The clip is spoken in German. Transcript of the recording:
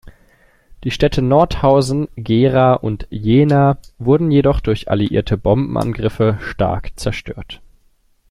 Die Städte Nordhausen, Gera, und Jena wurden jedoch durch alliierte Bombenangriffe stark zerstört.